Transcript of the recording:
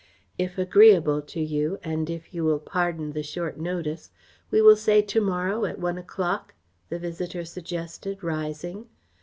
"If agreeable to you, and if you will pardon the short notice, we will say to morrow at one o'clock," the visitor suggested, rising.